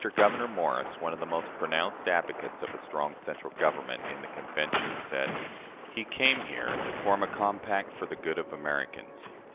Gouverneur Morris, one of the most pronounced advocates of a strong central government, in the Convention, said: "He came here to form a compact for the good of Americans.